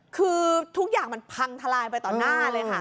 คือทุกอย่างมันพังทลายไปต่อหน้าเลยค่ะ